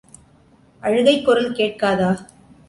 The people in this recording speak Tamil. அழுகைக் குரல் கேட்காதா?